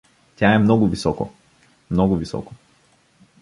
Тя е много високо, много високо.